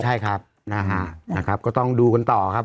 ใช่ครับนะฮะก็ต้องดูกันต่อครับ